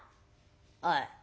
「おい。